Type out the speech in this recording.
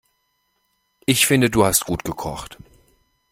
Ich finde, du hast gut gekocht.